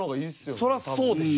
そりゃそうでしょ。